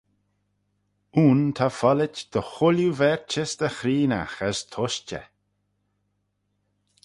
Ayn ta follit dy chooilley verchys dy chreenaght as tushtey.